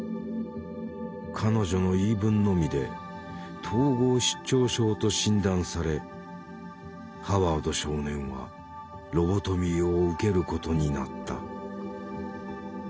彼女の言い分のみで統合失調症と診断されハワード少年はロボトミーを受けることになった。